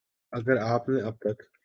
اگر آپ نے اب تک